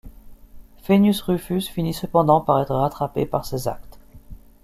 Faenius Rufus finit cependant par être rattrapé par ses actes.